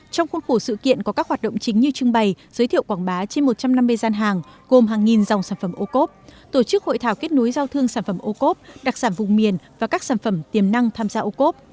trong khuôn khổ sự kiện có các hoạt động chính như trưng bày giới thiệu quảng bá trên một trăm năm mươi gian hàng gồm hàng nghìn dòng sản phẩm ô cốp tổ chức hội thảo kết nối giao thương sản phẩm ô cốp đặc sản vùng miền và các sản phẩm tiềm năng tham gia ô cốp